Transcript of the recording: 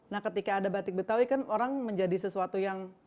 nah ketika ada batik betawi kan orang menjadi sesuatu yang